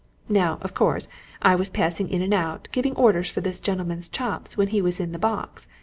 Now, of course, I was passing in and out, giving orders for this gentleman's chops, when he was in the box.